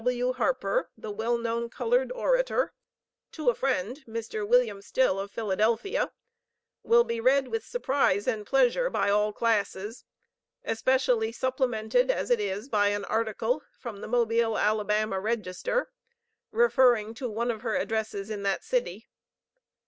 W. Harper, the well known colored orator, to a friend, Mr. Wm. Still, of Philadelphia, will be read with surprise and pleasure by all classes; especially supplemented as it is by an article from the Mobile (Alabama) Register, referring to one of her addresses in that city.